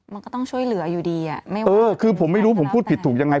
มันก็ต้องช่วยเหลืออยู่ดีอ่ะเออคือผมไม่รู้ผมพูดผิดถูกยังไง